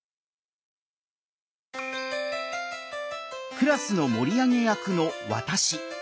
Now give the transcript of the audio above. クラスの盛り上げ役の「わたし」。